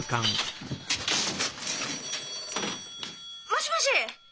☎もしもし！